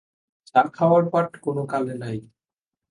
চা খাওয়ার পাট কোন কালে নাই।